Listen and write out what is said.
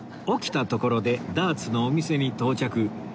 起きたところでダーツのお店に到着